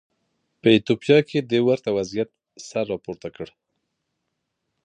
په ایتوپیا کې د ورته وضعیت سر راپورته کړ.